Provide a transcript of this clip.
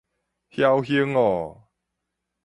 僥行喔